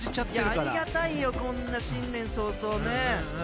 ありがたいよ、こんな新年早々ね。